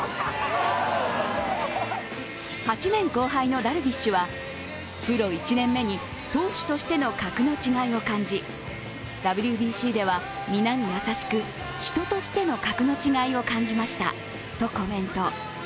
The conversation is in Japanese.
８年後輩のダルビッシュはプロ１年目に投手としての格の違いを感じＷＢＣでは皆に優しく、人としての格の違いを感じましたとコメント。